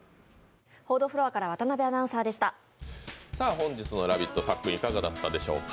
本日の「ラヴィット！」、さっくん、いかがだったでしょうか？